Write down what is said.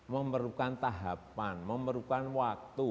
memerlukan tahapan memerlukan waktu